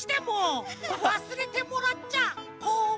わすれてもらっちゃこまるよ！